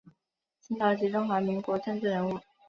清朝及中华民国政治人物。